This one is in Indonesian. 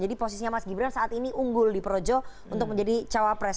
jadi posisinya mas gibral saat ini unggul di projo untuk menjadi cawapres